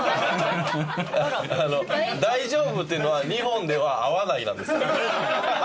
「大丈夫」っていうのは日本では「合わない」なんですよ。